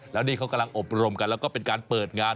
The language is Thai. แล้วนี่เขากำลังอบรมกันแล้วก็เป็นการเปิดงาน